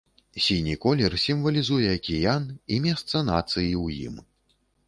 Сіні колер сімвалізуе акіян і месца нацыі ў ім.